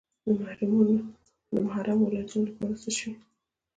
د محرومو ولایتونو لپاره څه شوي؟